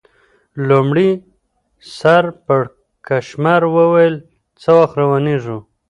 لومړي سر پړکمشر وویل: څه وخت روانېږو؟